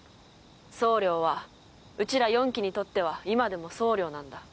総領はうちら四鬼にとっては今でも総領なんだ。